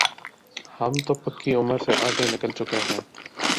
ہم تو پکی عمر سے آگے نکل چکے ہیں۔